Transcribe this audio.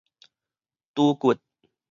豬骨